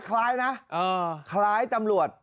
คล้ายนะคล้ายตำรวจ